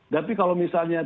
tapi kalau misalnya